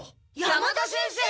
山田先生！